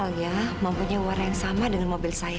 saya menganggap alia memiliki warna yang sama dengan mobil saya